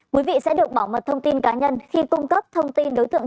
quý vị sẽ được bảo mật thông tin cá nhân khi cung cấp thông tin đối tượng